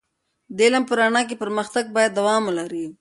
د علم په رڼا کې پر مختګ باید دوام ولري.